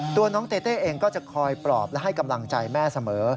ตัวน้องเต้เต้เองก็จะคอยปลอบและให้กำลังใจแม่เสมอ